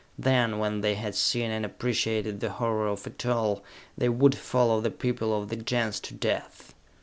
Then, when they had seen and appreciated the horror of it all, they would follow the people of the Gens to death!